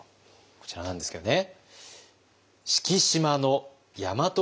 こちらなんですけどね。